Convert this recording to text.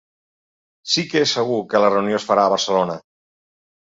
Sí que és segur que la reunió es farà a Barcelona.